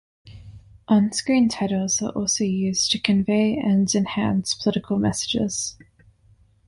Onscreen titles are also used to convey and enhance political messages.